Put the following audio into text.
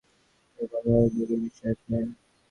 উত্তরে বলা যায়, উদ্বেগের বিষয় আছে।